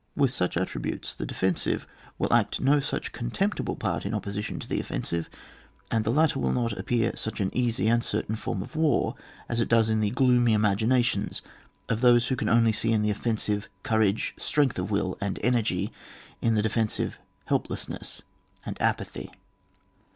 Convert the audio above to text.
With such attributes the defensive will act no such contemptible part in opposition to the offensive, and the latter will not appear such an easy and certain form of war, as it does in the gloomy imaginations of those who can only see in the offensive courage, strength of will, and energy; in the defensive, helplessness and apathy.